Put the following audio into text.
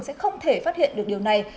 sẽ không thể phát hiện được điều này